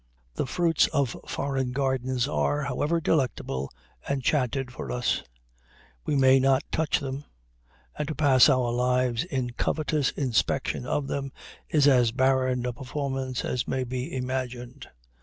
The fruits of foreign gardens are, however delectable, enchanted for us; we may not touch them; and to pass our lives in covetous inspection of them is as barren a performance as may be imagined.